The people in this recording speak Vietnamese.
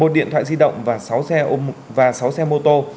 một mươi một điện thoại di động và sáu xe ôm và sáu xe mô tô